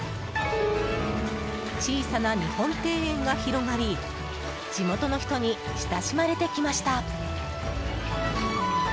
小さな日本庭園が広がり地元の人に親しまれてきました。